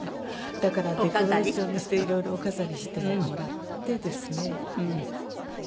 だからデコレーションしていろいろお飾りしてもらってですね。